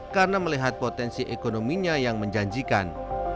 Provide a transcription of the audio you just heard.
karena melihat potensi ekonominya yang menjanjikan